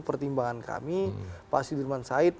pertimbangan kami pak sudirman said